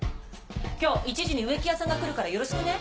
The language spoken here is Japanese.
今日１時に植木屋さんが来るからよろしくね。